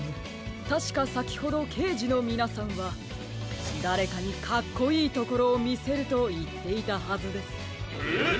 たしかさきほどけいじのみなさんはだれかにかっこいいところをみせるといっていたはずです。え！？